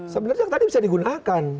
sebenarnya tadi bisa digunakan